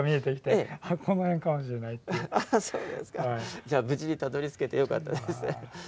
じゃあ無事にたどりつけてよかったです。